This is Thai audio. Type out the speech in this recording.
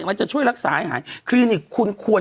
มันจะช่วยรักษาให้หายคลินิกคุณควร